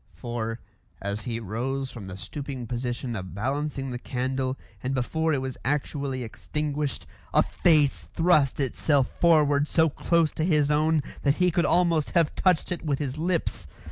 For, as he rose from the stooping position of balancing the candle, and before it was actually extinguished, a face thrust itself forward so close to his own that he could almost have touched it with his lips.